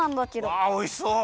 わあおいしそう！